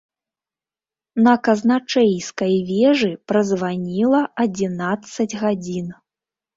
На казначэйскай вежы празваніла адзінаццаць гадзін.